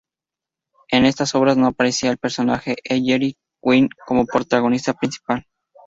En estas obras no aparecía el personaje Ellery Queen como protagonista principal.